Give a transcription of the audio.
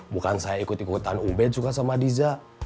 bukan saya ikut ikutan uben suka sama diza